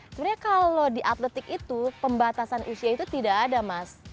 sebenarnya kalau di atletik itu pembatasan usia itu tidak ada mas